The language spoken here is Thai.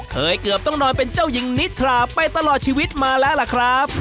เกือบต้องนอนเป็นเจ้าหญิงนิทราไปตลอดชีวิตมาแล้วล่ะครับ